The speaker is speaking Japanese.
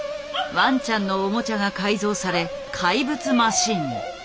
ワンちゃんのオモチャが改造され怪物マシンに。